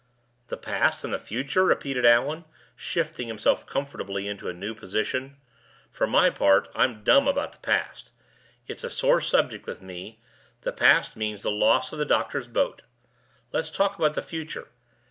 "The past and the future?" repeated Allan, shifting himself comfortably into a new position. "For my part, I'm dumb about the past. It's a sore subject with me: the past means the loss of the doctor's boat. Let's talk about the future.